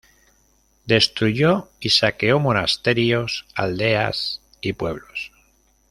Destruyó y saqueó monasterios, aldeas y pueblos.